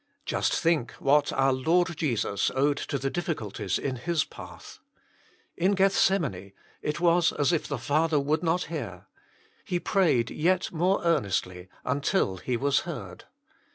Just think what our Lord Jesus owed to the difficulties in His path. In Gethsemane it was as if the Father would not hear : He prayed yet more earnestly, until " He was heard."